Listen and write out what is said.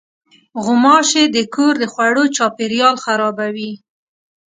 غوماشې د کور د خوړو چاپېریال خرابوي.